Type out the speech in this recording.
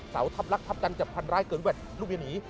เสาทัพรักทัพจันทร์จะพันรายเกินแบบรุมเยนี